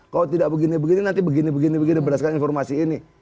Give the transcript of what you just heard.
kalau tidak begini begini nanti begini begini berdasarkan informasi ini